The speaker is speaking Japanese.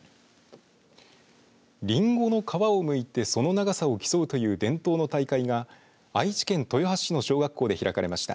りんごの皮をむいてその長さを競うという伝統の大会が愛知県豊橋市の小学校で開かれました。